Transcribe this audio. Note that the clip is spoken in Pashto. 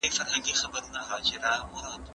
دوی د رسول الله پدغه حديث دليل نيسي.